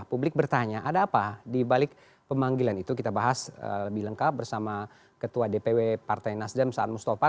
publik bertanya ada apa dibalik pemanggilan itu kita bahas lebih lengkap bersama ketua dpw partai nasdem saan mustafa